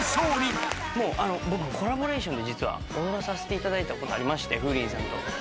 僕コラボレーションで実は踊らさせていただいたことありましてＦｏｏｒｉｎさんと。